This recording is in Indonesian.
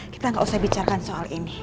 kita gak usah bicarkan soal ini